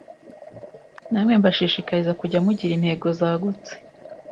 namwe mbashishikariza kujya mugira intego zagutse